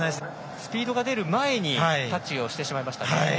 スピードが出る前にタッチをしてしまいましたね。